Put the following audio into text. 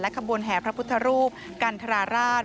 ขบวนแห่พระพุทธรูปกันทราราช